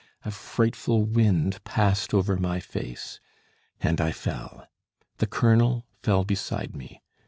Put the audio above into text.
A frightful wind passed over my face. And I fell. The colonel fell beside me.